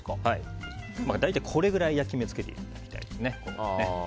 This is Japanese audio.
大体これぐらい焼き目をつけていただきたいです。